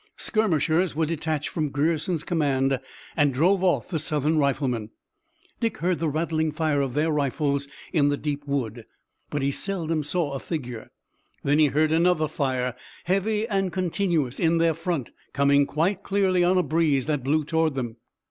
Skirmishers were detached from Grierson's command and drove off the Southern riflemen. Dick heard the rattling fire of their rifles in the deep wood, but he seldom saw a figure. Then he heard another fire, heavy and continuous, in their front, coming quite clearly on a breeze that blew toward them.